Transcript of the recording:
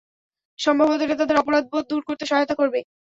সম্ভবত এটা তাদের অপরাধবোধ দূর করতে সহায়তা করবে।